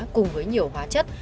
cùng với nhiều hóa chất